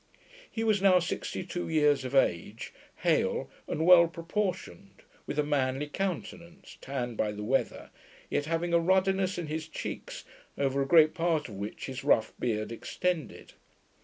He was now sixty two years of age, hale, and well proportioned, with a manly countenance, tanned by the weather, yet having a ruddiness in his cheeks, over a great part of which his rough beard extended.